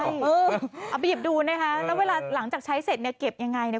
เอาไปหยิบดูนะคะแล้วเวลาหลังจากใช้เสร็จเก็บยังไง